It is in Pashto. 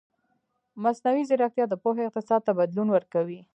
مصنوعي ځیرکتیا د پوهې اقتصاد ته بدلون ورکوي.